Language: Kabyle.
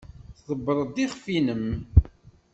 Tḍebbred iɣef-nnem.